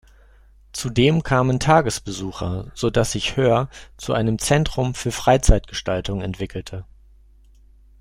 Zudem kamen Tagesbesucher, so dass sich Höör zu einem Zentrum für Freizeitgestaltung entwickelte.